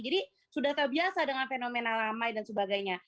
jadi sudah terbiasa dengan fenomena ramai dan sebagainya